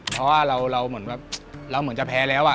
เพราะว่าเราเหมือนแบบเราเหมือนจะแพ้แล้ว